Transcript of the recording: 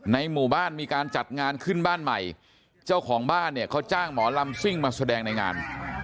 ในหมู่บ้านมีการจัดงานขึ้นบ้านใหม่เจ้าของบ้านเนี่ยเขาจ้างหมอลำซิ่งมาแสดงในงาน